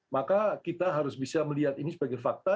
maka kita harus bisa melihat ini sebagai fakta